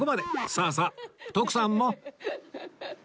さあさあ徳さんも